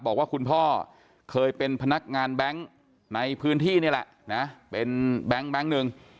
บอกว่าคุณพ่อเคยเป็นพนักงานแบงค์ในพื้นที่นี่แหละนะเป็นแบงค์หนึ่ง